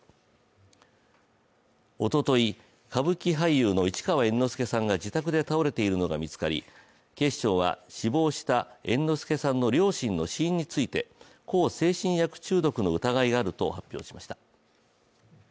おととい、歌舞伎俳優の市川猿之助さんが自宅で倒れているのが見つかり、警視庁は死亡した猿之助さんの両親の死因について向精神薬中毒の疑いがあると発表しました。